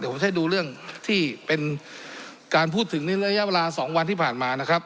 ผมจะให้ดูเรื่องที่เป็นการพูดถึงในระยะเวลา๒วันที่ผ่านมานะครับ